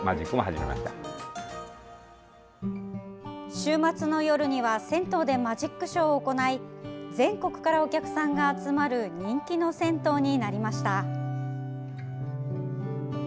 週末の夜には銭湯でマジックショーを行い全国からお客さんが集まる人気の銭湯になりました。